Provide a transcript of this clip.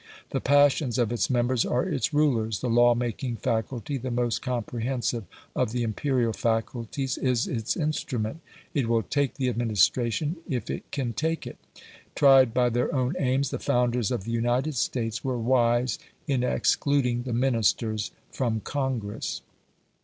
The passions of its members are its rulers; the law making faculty, the most comprehensive of the imperial faculties, is its instrument; it will take the administration if it can take it. Tried by their own aims, the founders of the United States were wise in excluding the Ministers from Congress.